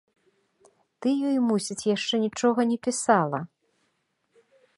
Ты ёй, мусіць, яшчэ нічога не пісала?